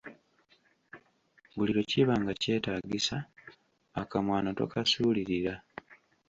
Buli lwe kiba nga kyetaagisa, akamwano tokasuulirira.